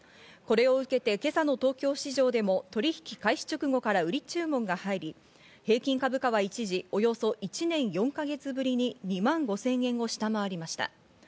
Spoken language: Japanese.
これを受けて今朝の東京市場でも取引開始直後から売り注文が入り、平均株価は一時およそ１年４か月ぶりに２万５０００円を下回りました。